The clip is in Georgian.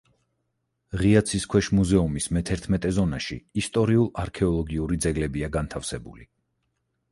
ღია ცის ქვეშ მუზეუმის მეთერთმეტე ზონაში ისტორიულ-არქეოლოგიური ძეგლებია განთავსებული.